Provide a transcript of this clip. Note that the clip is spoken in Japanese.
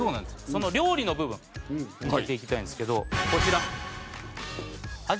その料理の部分見せていきたいんですけどこちら。